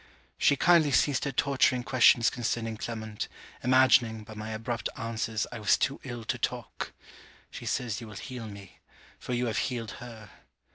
She kindly ceased her torturing questions concerning Clement, imagining, by my abrupt answers, I was too ill to talk. She says you will heal me for you have healed her.